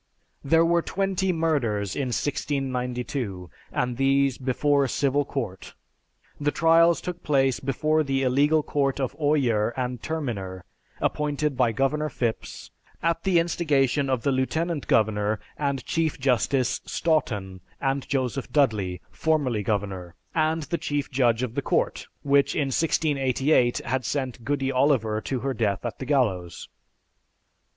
There were twenty murders in 1692, and these before a civil court. The trials took place before the illegal Court of Oyer and Terminer, appointed by Governor Phipps, at the instigation of the Lieutenant Governor and Chief Justice Stoughton, and Joseph Dudley, formerly governor, and the Chief Judge of the Court which, in 1688, had sent "Goody Oliver" to her death at the gallows.